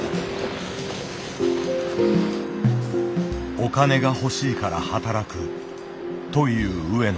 お金が欲しいから働くという上野。